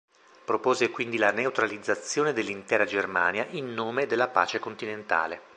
Propose quindi la neutralizzazione dell'intera Germania in nome della pace continentale.